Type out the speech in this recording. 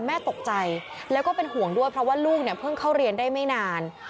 แม่ตกใจแล้วก็เป็นห่วงด้วยเพราะว่าลูกเนี่ยเพิ่งเข้าเรียนได้ไม่นาน